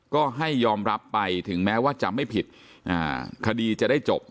ก็ให้ยอมรับไปถึงแม้ว่าจะไม่ผิดคดีจะได้จบ